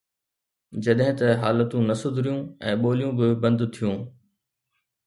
جڏهن ته حالتون نه سڌريون ۽ ٻوليون به بند ٿيون.